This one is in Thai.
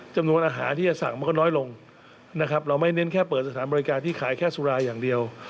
จำนวนอาหารที่จะสั่งมันก็น้อยลงนะครับเราไม่เน้นแค่เปิดสถานบริการที่ขายแค่สุราอย่างเดียว